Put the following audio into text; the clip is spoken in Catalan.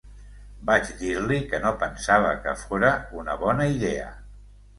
Vaig dir-li que no pensava que fóra una bona idea.